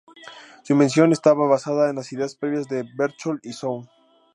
Su invención estaba basada en las ideas previas de Berchtold y Swan.